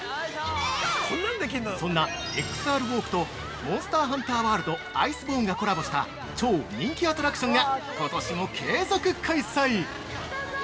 そんな「ＸＲＷＡＬＫ」と「モンスターハンターワールド：アイスボーン」がコラボした超人気アトラクションがことしも継続開催！